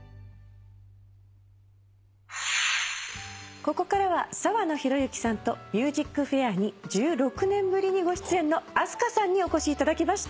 ここからは澤野弘之さんと『ＭＵＳＩＣＦＡＩＲ』に１６年振りにご出演のＡＳＫＡさんにお越しいただきました。